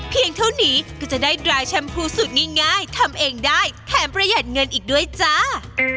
เท่านี้ก็จะได้ดราแชมพูสูตรง่ายทำเองได้แถมประหยัดเงินอีกด้วยจ้า